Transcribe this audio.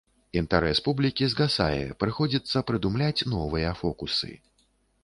Інтарэс публікі згасае, прыходзіцца прыдумляць новыя фокусы.